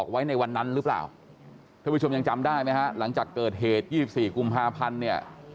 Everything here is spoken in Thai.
หรือเปล่าถ้าผู้ชมยังจำได้ไหมฮะหลังจากเกิดเหตุ๒๔กุม๕พันธุ์เนี่ย